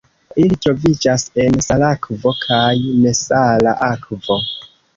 Ili troviĝas en salakvo kaj nesala akvo.